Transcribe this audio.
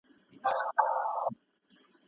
تاسي به پلان بشپړ کړی وي.